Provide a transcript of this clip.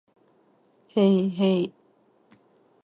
へいへい